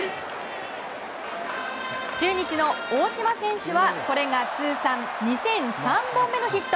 中日の大島選手はこれが通算２００３本目のヒット。